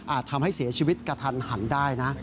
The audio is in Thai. ทำให้เสียชีวิตกระทันหันได้นะ